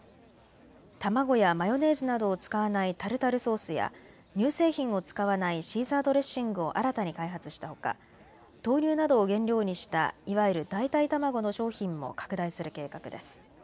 卵やマヨネーズなどを使わないタルタルソースや乳製品を使わないシーザードレッシングを新たに開発したほか、豆乳などを原料にしたいわゆる代替卵の商品も拡大する計画です。